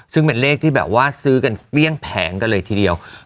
ซึ่งเป็นเลขที่แบบว่าซื้อกันเกลี้ยงแผงกันเลยทีเดียว